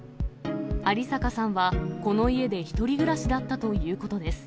有坂さんはこの家で１人暮らしだったということです。